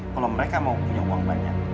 kalau mereka mau punya uang banyak